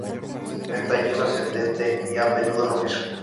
El tallo es ascendente y a menudo rojizo.